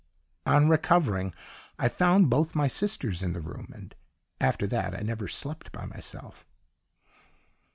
On recovering, I found both my sisters in the room, and after that I never slept by myself."